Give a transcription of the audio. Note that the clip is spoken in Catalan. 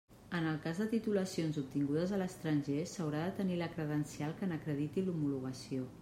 En el cas de titulacions obtingudes a l'estranger s'haurà de tenir la credencial que n'acrediti l'homologació.